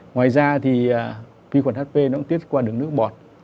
ngoài ra thì vi khuẩn hp nó cũng tiết qua được nước bọt